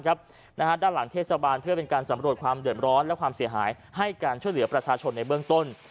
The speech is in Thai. ด้านหลังเทศบาลเพื่อเป็นการสำรวจความเดือดร้อนและความเสียหายให้การช่วยเหลือประชาชนในเบื้องต้น